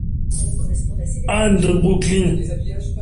Ann de Brooklyn.